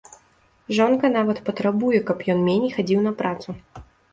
Жонка нават патрабуе, каб ён меней хадзіў на працу.